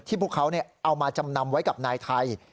พวกเขาเอามาจำนำไว้กับนายไทย